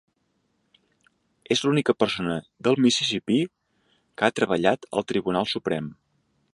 És l'única persona del Mississippí que ha treballat al Tribunal Suprem.